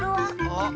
あっ。